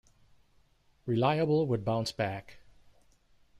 Reliable would bounce back.